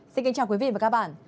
xin kính chào quý vị và các bạn